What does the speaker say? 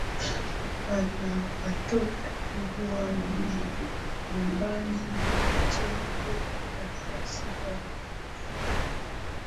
Wana watoto wanne ambao ni Enzo Alan Zidane